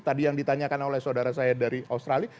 tadi yang ditanyakan oleh saudara saya dari australia